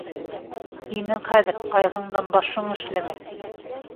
Һинең хәҙер ҡайғыңдан башың эшләмәй.